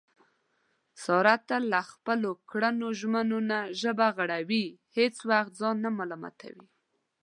ساره تل له خپلو کړو ژمنو نه ژبه غړوي، هېڅ وخت ځان نه ملامتوي.